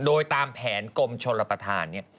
โดยตามแผนกลมชนรปธาร